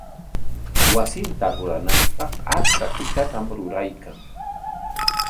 Wasinta rurananpaq achka tikatam ruraykan.